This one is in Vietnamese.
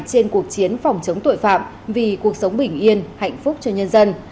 trên cuộc chiến phòng chống tội phạm vì cuộc sống bình yên hạnh phúc cho nhân dân